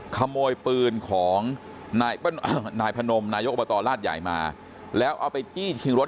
ขโมยปืนของนายพนมนายกอบตราชใหญ่มาแล้วเอาไปจี้ชิงรถ